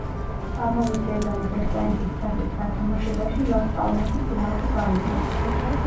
ამავე სეზონის ესპანეთის თასის გათამაშებაში, „ლას-პალმასი“ ფინალში გავიდა.